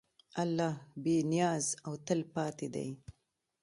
الله بېنیاز او تلپاتې دی.